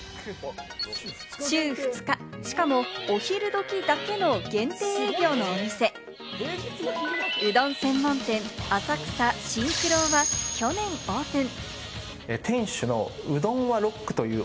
週２日、しかもお昼時だけの限定営業のお店、うどん専門店・浅草真九郎は去年オープン。